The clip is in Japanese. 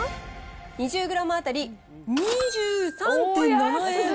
２０グラム当たり２３．７円。